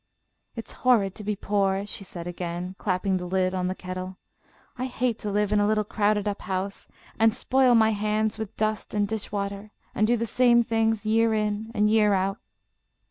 "It's horrid to be poor," she said again, clapping the lid on the kettle. "I hate to live in a little crowded up house, and spoil my hands with dust and dish water, and do the same things year in and year out."